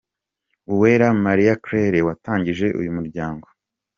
Uwera Marie Claire watangije uyu muryango.